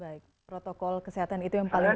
baik protokol kesehatan itu yang paling